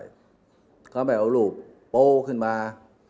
เขาก็แบบอาจมีรูปโปก็จุดขึ้นมา